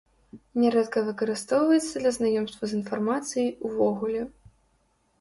Нярэдка выкарыстоўваецца для знаёмства з інфармацыяй увогуле.